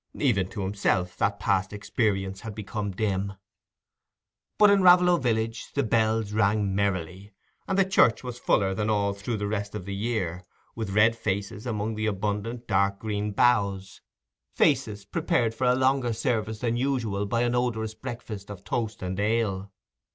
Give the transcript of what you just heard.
Even to himself that past experience had become dim. But in Raveloe village the bells rang merrily, and the church was fuller than all through the rest of the year, with red faces among the abundant dark green boughs—faces prepared for a longer service than usual by an odorous breakfast of toast and ale.